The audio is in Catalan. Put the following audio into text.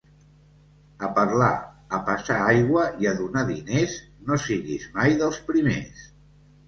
A parlar, a passar aigua i a donar diners no siguis mai dels primers.